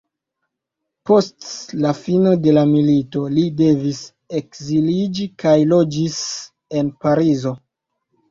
Post la fino de la milito li devis ekziliĝi kaj loĝis en Parizo.